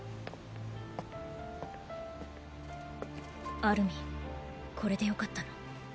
アルミンこれでよかったの？！！